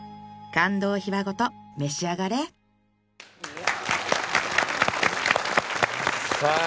感動秘話ごと召し上がれさぁ